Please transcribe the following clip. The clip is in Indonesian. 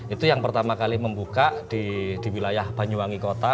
itu yang pertama kali membuka di wilayah banyuwangi kota